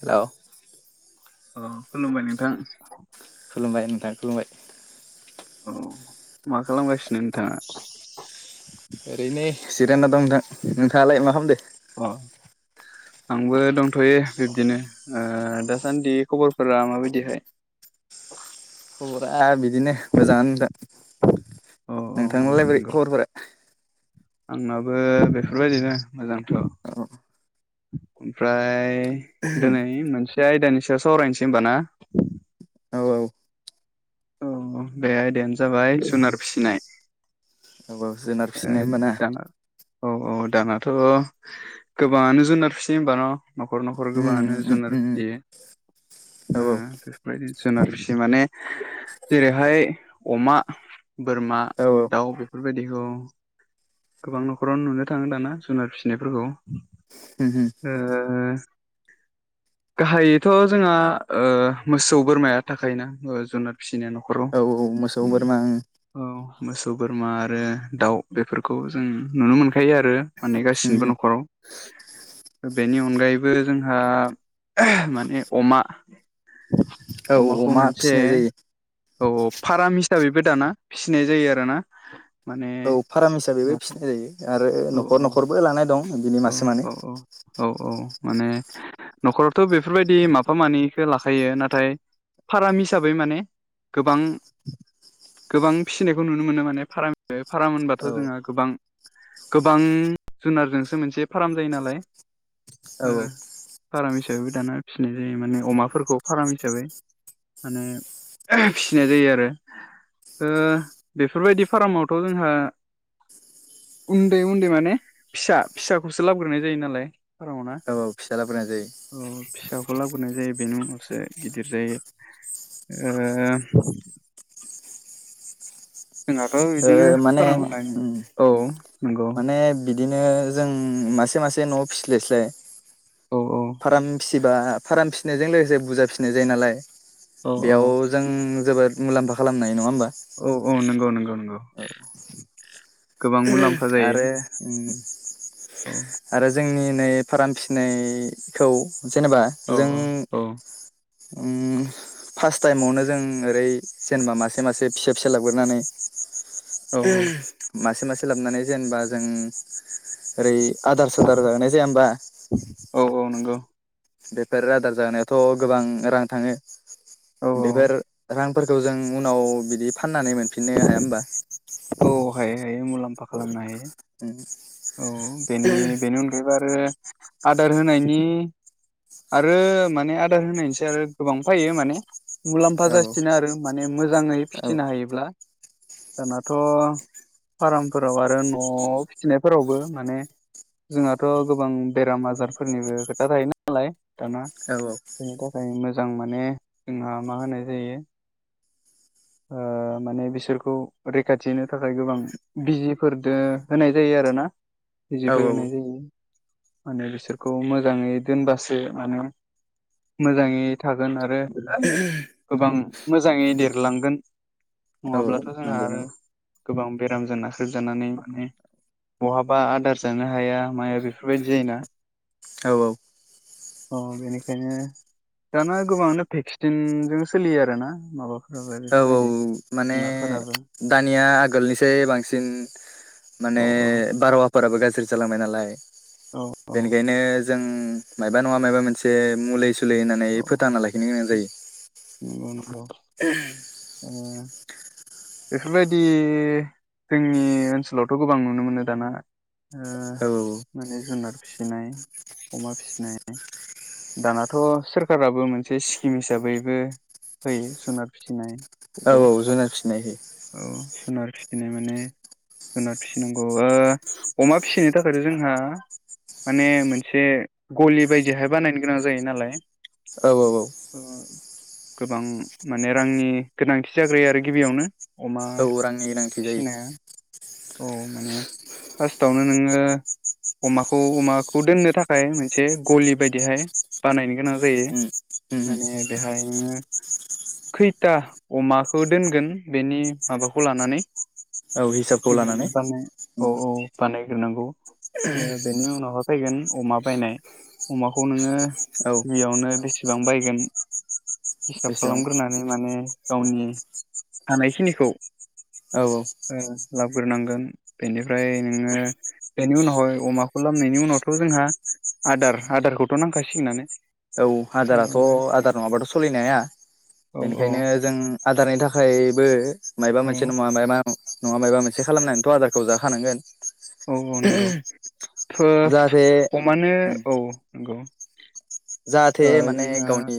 हेल' औ खुलुमबाय नोंथां खुलुमबाय नोंथां खुलुमबाय औ मा खालामगासिनो नोंथाङा ओरैनो जिराना दं नोंथां नोंथाङालाय मा खामदो अ आंबो दंथ'यो बिब्दिनो ओ दासान्दि खबरफोरा माबायदिहाय [unintelligible] खबरा बिदिनो मोजाङानो नोथां औ औ नंगौ नोंथांनालाय बोरै नंगौ खबरफोरा आंनाबो बेफोरबायदिनो मोजांथ' औ ओमफ्राय दिनै मोनसे आयदानि सायाव सावरायनोसै होमबा ना [inaudible] औ बे आायदायानो जाबाय जुनार फिसिनाय औ औ जुनार ओ फिसिनाय होमबा ना दाना औ औ दानाथ' गोबाङानो जुनार फिसियो होमबा न' न'खर न'खर उम गोबाङानो उम जुनार उम उम फिसियो औ ओ बेफोरबायदिनो जुनार माने जेरैहाय अमा बोरमा औ दाउ बेफोरबायदिखौ गोबां न'खरावनो नुनो थाङो दाना जुनार फिसिनायफोरखौ ओ उम उम [inaudible] गाहायैथ' जोंहा ओ मोसौ बोरमाया थाखायोना ओ जुनाद फिसिनाया न'खराव औ औ मोसौ बोरमा उम औ मोसौ बोरमा आरो दाउ बेफोरखौ जों नुनो मोनखायो आरो माने गासिनिबो उम न'खराव बेनि अनगायैबो जोंहा माने अमा औ अमाखौ अमा मोनसे फिसिनाय जायो औ औ फाराम हिसाबैबो दाना फिसिनाय जायो आरो ना माने फाराम हिसाबैबो न'खर फिसिनाय जायो आरो औ न'खर न'खरबो लानाय दं बिनि मासे मानै औ औ औ माने न'खरावथो बेफोरबायदि माफा मानैखो लाखायो नाथाय फाराम हिसाबै माने गोबां गोबां फिसिनायखौ नुनो मोनो माने फाराम फाराम होनबाथ' औ जोंहा गोबां-गोबां जुनारजों सो मोनसे फाराम जायो नालाय ओ औ औ फाराम हिसाबैबो दाना फिसिनाय जायो माने अमाफोरखौ फाराम हिसाबै माने फिसिनाय जायो आरो ओ बेफोरबायदि फारामावथ' जोंहा उन्दै उन्दै माने फिसा फिसाखौसो लाबोग्रोनाय जायो नालाय फारामाव ना औ औ फिसालाफोरनाय जायो अ फिसाखौ लाबोनाय जायो बेनि उनावसो गिदिर जायो ओ जोंहाथ' ओ बिदिनो माने फारा [unintelligible] उम औ नंगौ माने बिदिनो जों मासे मासे न'आव फिसिस्लायस्लाय औ औ फाराम फिसिबा फाराम फिसिनायजों लोगोसे बुजा फिसिनाय जायो नालाय। औ औ बेयाव जों जोबोद मुलाम्फा खालामनो नङा होमबा? औ औ नंगौ नंगौ नंगौ गोबां मुलाम्फा औ जायो आरो ओं औ आरो जोंनि नै फाराम फिसिनायखौ जेनेबा औ जों औ ओं फास्ट टाइमावनो जों ओरै जेनेबा मासे मासे फिसा फिसा लाबग्रोनानै औ मासे मासे लाबनानै जेनबा जों ओरै आदार सादार जाहोनाय जाया होमबा औ औ नोंगौ। बेफोर आदार जाहोनायावथ' गोबां रां थाङो औ बेफोर रां फोरखौ जों उनाव बिदि फाननानै मोनफिननो हाया होमबा? औ हायो। हायो मुलाम्फा औ खालामनो हायो उम औ बेनि बेनि अनगायैबो आरो आदार होनायनि आरो माने आदार होनायनिसो आरो गोबां फायो माने मुलाम्फा औ जासिनो आरो माने मोजाङै औ फिसिनो हायोब्ला दानाथ' फारामफोराव आरो न' फिथिनायफोरावबो माने जोंहाथ' गोबां बेराम आजारफोरनिबो खोथा थायो नालाय दाना औ औ बेनि थाखाय मोजां माने जोंहा मा होनाय जायो ओ ओ माने बिसोरखौ रैखाथि होनो थाखाय गोबां बिजिफोरदो होनाय जायो आरोना। औ बिजिफोर होनाय औ जायो। माने बिसोरखौ मोजाङै दोनबासो माने मोजाङै थागोन आरो गोबां मोजाङै देरलांगोन औ नङाब्लाथ' जोंहा नंगौ आरो नंगौ गोबां बेरामजों नाख्रेबजानानै माने बहाबा आदार जानो हाया माया बेफोरबायदि जायोना औ औ अ बेनिखायनो दाना गोबाङानो भेक्सिनजों सोलियो आरोना माबा औ औ माने दानिया आगोलनिसाय बांसिन माने औ औ बारहावाफोराबो गाज्रि जालांबाय नालाय औ बेनिखायनो जों मायबा नङा मायबा मोनसे मुलै सु लै होनानै औ फोथांना लाखिनो गोनां जायो। नंगौ नंगौ ओ [inaudible] बेफोरबायदि जोंनि ओनसोलावथ' गोबां नुनो मोनो दाना ओ औ माने जुनार फिसिनाय अमा फिसिनाय दानाथ' सोरखाराबो मोनसे स्किम हिसाबैबो होयो जुनार फिसिनाय औ बेखौ औ जुनार फिनाय होयो। औ जुनार फिसिनाय माने जुनार फिसिनांगौ ओ अमा फिसिनो थाखायथ' जोंहा माने मोनसे गलि बायदिहाय बानायनो गोनां जायो नालाय औ औ औ ओ गोबां माने रांनि गोनांथि जाग्रोयो आरो गिबियावनो अमा औ रांनि गोनांथि जायो फिसिनाया औ माने फार्स्टावनो नोङो अमाखौ अमाखौ दोननो थाखाय मोनसे गलि बायदिहाय बानायनो गोनां जायो उम उम उम माने बेहाय नोङो खैथा अमाखौ दोनगोन बेनि माबाखौ लानानै औ [inaudible] हिसाबखौ लानानै औ उम औ ग्रोनांगौ अ बेनि उनावहाय फैगोन अमा बायनाय अमाखौ नोङो औ बियावनो बेसेबां बायगोन हिसाब बेसेबां खालामग्रोनानै माने गावनि हानायखिनिखौ औ औ लाबोग्रोनांगोन बेनिफ्राय नोङो बेनि उनावहाय अमाखौ लामनायनि उनावथ' जोंहा आदार आदारखौथ' नांखासिगोनानो। औ ओ, आदाराथ' आदार नङाबाथ' सोलिनो हाया औ औ बेनिखायनो जों आदारनि था थाखायबो माइबा औ मोनसे नङा माइबा नङा माबा मोनसे खालामनानैथ' आदारखौ जाखानांगोन। औ औ नंगौ थ जाहाथे अमानो उम औ नंगौ जाहाथे ओ माने जोंहा गावनि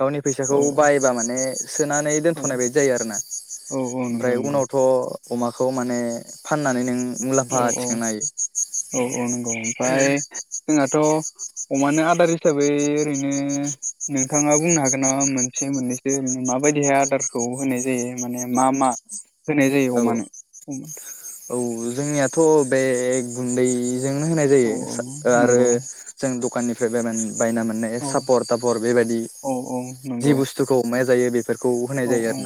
गावनि औ फैसाखौ बायबा माने सोनानै औ दोनथ'नाय बायदि जायो आरोना औ औ नंगौ ओमफ्राय नंगौ उनावथ' अमाखौ माने फाननानै नों औ मुलाम्फा औ थिखांनो हायो औ औ नंगौ ओमफ्राय जोंहाथ' अमानो आदार हिसाबै ओरैनो नोंथाङा बुंनो हागोन नामा मोनसे मोननैसो ओरै माबायदिहाय आदारखौ होनाय जायो माने मा मा? होनाय जायो औ अमानो अम औ जोंनियाथ' बे गुन्दै जोंनो होनाय जायो औ औ आरो नंगौ जों दकाननिफ्राय बायबानो बायना मोननाय औ सापर थापर बेबायदि औ औ जि नंगौ बुस्थुखौ अमाया जायो बे औ औ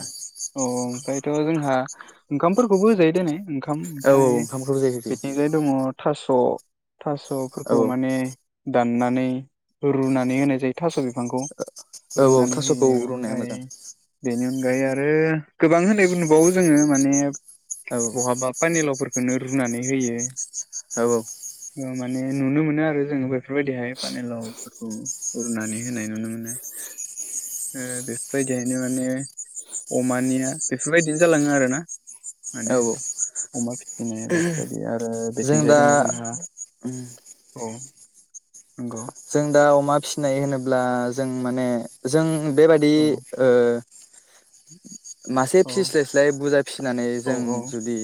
औ ओमफ्रायथ' जोंहा ओंखामफोरखौबो होजायो दनाय ओंखाम खाम औ औ ओमफ्राय ओंखामखौबो जायो होफैयो बेथिंजाय दङ थास' औ थास'फोरखौ माने दाननानै रुनानै होनाय जायो थास' बे फांखौ औ औ रुनानै थास'खौ होयो रुनाया ओमफ्राय मोजां बेनि अनगायै आरो गोबां होननायबो नुबावो जोङो माने औ बहाबा पानिल'फोरखो खोनो रुनानै होयो। औ औ माने नुनो मोनो आरो जोङो बेफोरबायदिहाय पानिलावफोरखौ रुनानै होनाय नुनो मोनो। [unintelligible] अ बेफोरबायदियैनो माने अमानिया बेफोरबायदिनो जालाङो आरोना। औ माने अमा फिसिनाय बेफोरबायदि आरो जों बेथिंजाय दा दङ जोंहा औ नंगौ जों दा अमा फिसिनाय होनोब्ला जों माने जों बेबादि औ ओ [unintelligible] मासे औ फिस्लायस्लाय बुरजा फिसिनानै औ जों औ जुदि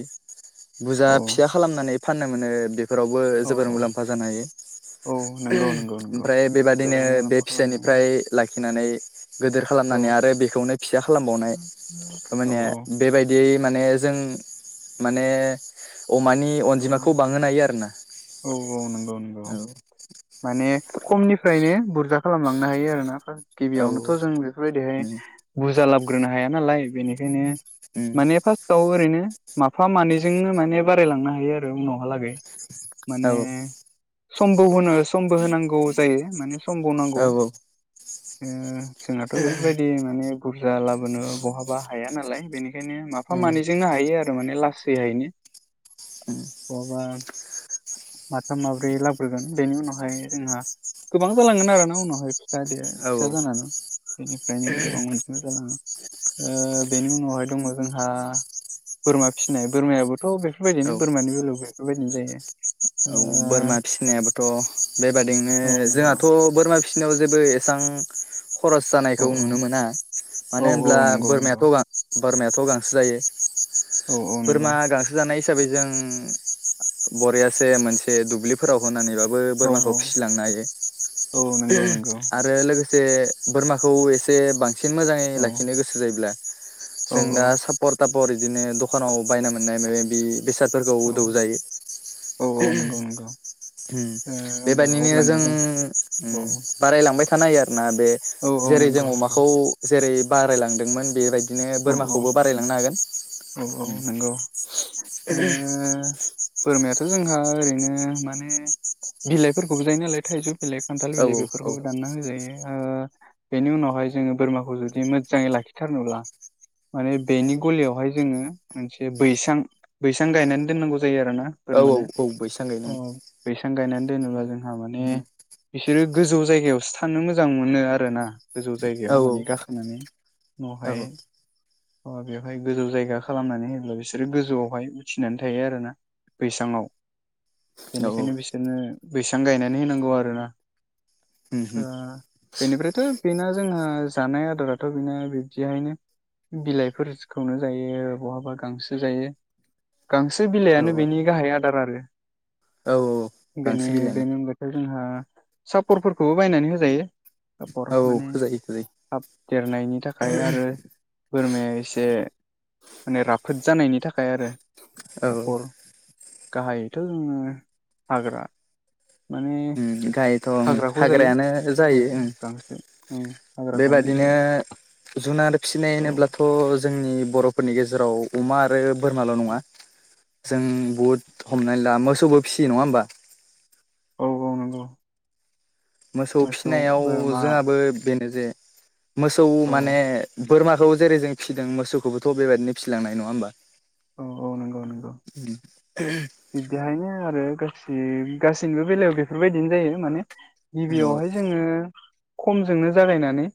बुरजा औ फिसा खालामनानै फाननो मोनो बेफोरावबो औ जोबोर औ मुलाम्फा जानो हायो। औ नंगौ नंगौ नंगौ ओमफ्राय बेबादिनो गोबां बे मुलाम्फा फिसानिफ्राय खालामनाय लाखिनानै गिदिर औ खालामनानै आरो बेखौनो फिसा खालामबावनाय थारमाने औ बेबायदियै माने जों माने अमानि औ अनजिमाखौ बांहोनो हायो आरोना औ औ नंगौ नंगौ औ। माने खमनिफ्रायनो बुरजा खालामलांनो हायो आरोना फार्स औ गिबियावनोथ' जों बेफोरबायदिहाय उम बुरजा लाबग्रोनो हाया नालाय बेनिखायनो उम माने फार्स्टआव ओरैनो माफा मानैजोंनो माने बारायलांनो हायो आरो उनावहालागै। औ माने समबो होनो समबो होनांगौ जायो माने समबो नांगौ औ उम ओ जोंनाथ' बेफोरबायदि माने बुरजा लाबोनो बहाबा हाया नालाय बेनि ओंखायनो माफा उम मानैजोंनो हायो आरो माने लासैहायनो। बहाबा माथाम माब्रै लाबोग्रोगोन बेनि उनावहाय जोंहा गोबां जालांगोन आरोना उनावहाय फिसा दे औ फिसा जानानानै बेनिफ्रायनो गोबां अनजिमा जालाङो ओ बेनि उनावहाय दङ जोंहा बोरमा फिसिनाय बोरमायाबोथ' बेफोरबायदिनो बोरमानि बेलायाव बेफोरबायदिनो जायो औ बोरमा फिसिनायाबोथ' बेबादिनो ओ औ नंगौ जोंहाथ' बोरमा फिसिनाव जेबो एसां खरस औ जानायखौ नुनो मोना औ मानो औ होनब्ला नंगौ नंगौ बोरमायाथ' गां बोरमायाथ' गांसो जायो औ औ नंगौ बोरमा गांसो जानाय हिसाबै जों बरियासे मोनसे दुब्लिफोराव होनानै बाब ओ औ बोरमाखौ फिसिलांनो हायो औ नंगौ नंगौ आरो लोगोसे जे बोरमाखौ एसे बांसिन सिन मोजांयै औ लाखिनो गोसो जायोब्ला औ जों दा सापर थापर बिदिनो दखानाव बायना मोननाय माबा मायबि औ बेसादफोरखौ दौजायो औ औ नंगौ नंगौ उम ओ होमबा बेबायदिनो जों अब्लानिया औ उम बारायालां थाबाय थानो हायो आरोना बे औ औ जेरै जों नंगौ नंगौ अमाखौ जेरै बारायलांदोंमोन बेबायदि बिदिनो औ औ बोरमाखौबो बारायलांनो हागोन औ औ उम नंगौ ओ बोरमायाथ' थ' जोंहा ओरैनो माने बिलाइफोरखौबो जायो नालाय थाइजौ बेलेग खान्थाल औ बिलाइ औ बेफोरखौबो दानना होजायो ओ बेनि उनावहाय जोङो बोरमाखौ जुदि मोजाङै लाखिथारनोब्ला माने बेनि गलियावहाय जोङो मोनसे बैसां बैसां गायनानै दोननांगौ जायो आरोना औ औ बैसांगैनो बोरमानो बैसां गायनानै दोनोब्ला जों जोंहा माने उम बिसोरो गोजौ जायगायावसो थानो मोजां मोनो आरोना गोजौ औ जायगायाव औ माने गाखोनानै औ न'आवहाय औ अ बेवहाय गोजौ जायगा खालामनानै होयोब्ला बिसोरो गोजौआवहाय उथिनानै थायो आरोना बैसाआव औ बेनिखायनो बिसोरनो बैसां गायनानै होनांगौ आरोना उम उम ओ बेनिफ्रायथ' बेना जोंहा जानाय आदाराथ' बिनो बिबदिहायनो बिलाइफोरखौनो जायो बहाबा गांसो जायो गांसो औ बिलाइनो बेनि गाहाय आदार आरो औ बेनि गांसो बिलाइनो बेनि अनगायैथ' जोंहा सापरफोरखौबो बायनानै होजायो सापर औ माने होजायो होजायो थाब देरनायनि थाखाय आरो बोरमाया एसे माने राफोद जानायनि थाखाय आरो औ औ सापर गाहायैथ' जोङो हाग्रा माने उम गाहायथ' उम हाग्राखौ जायो हाग्रायानो औ जायो औ गांसो हाग्राखौनो जायो बिनो जुनार फिसिनाय औ होनोब्ला थ' जोंनि बर'फोरनि गेजेराव अमा आरो बोरमाल' नङा औ जों बुहुद हमनानै ला मोसौबो फिसियो नङा होमबा औ औ नंगौ मोसौ फिसिनायाव जोंहाबो बेनो जे मोसौ औ माने बोरमाखौ जेरै जों फिसिदों मोसौखौबोथ' बेबायदिनो फिलांनाय नङा होमबा औ औ नंगौ नंगौ बिदिहायनो आरो गासैनिबो बेलायाव बेफोरबायदिनो जायो माने औ गिबियावहाय जोङो खमजोंनो जागायनानै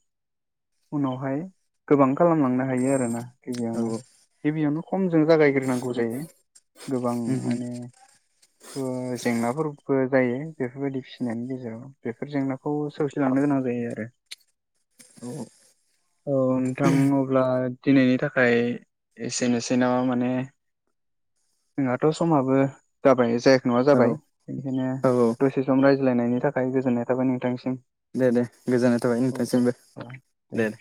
उनावहाय गोबां खालामलांनो हायो आरोना गिबियावनो जों जागायग्रोनांगौ जायो गोबां माने ओ जेंनाफोरबो जायो बेफोरबायदि फिसिनायनि गेजेराव बेफोर जेंनाखौ सौसिलांनो गोनां जायो आरो औ नोंथां अब्ला दिनैनि थाखाय एसेनोसै जेनबा माने जोंहाथ' समाबो जाबाय जाया खै नङा औ जाबाय बेनिखायनो औ दसे सम रायज्लायनायनि थाखाय गोजोननाय थाबाय नोंथांनिसिम दे दे गोजोननाय थाबाय औ औ नोंथांसिमबो औ दे दे।